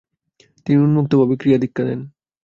তিনি উন্মুক্তভাবে ক্রিয়া দীক্ষা দেন।